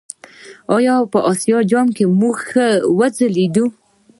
د آسیا په جام کې موږ ښه وځلیدو.